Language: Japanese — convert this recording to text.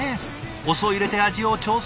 お酢を入れて味を調整。